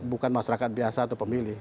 bukan masyarakat biasa atau pemilih